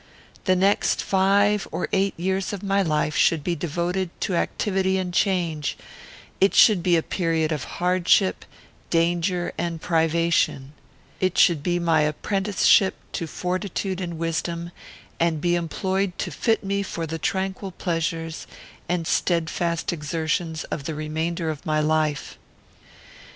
The next five or eight years of my life should be devoted to activity and change; it should be a period of hardship, danger, and privation; it should be my apprenticeship to fortitude and wisdom, and be employed to fit me for the tranquil pleasures and steadfast exertions of the remainder of my life.